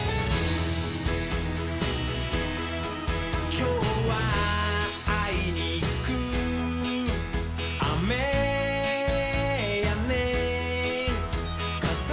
「きょうはあいにくあめやねん」